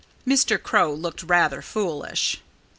Mr. Crow looked rather foolish.